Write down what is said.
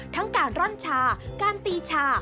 ทั้งการร่อนชาการตีชา